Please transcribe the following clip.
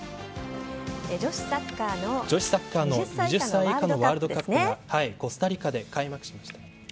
女子サッカーの２０歳以下のワールドカップがコスタリカで開幕しました。